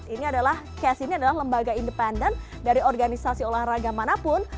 ini adalah kes ini adalah lembaga independen dari organisasi olahraga manapun